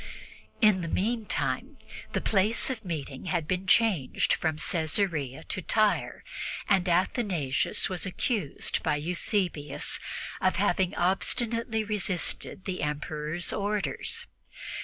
In the meantime the place of meeting had been changed from Caesarea to Tyre, and Athanasius was accused by Eusebius of having obstinately resisted the Emperor's orders.